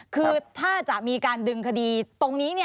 คือถ้าจะมีการดึงคดีตรงนี้